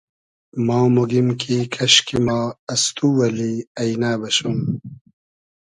ما موگیم کی کئشکی ما از تو اللی اݷنۂ بئشوم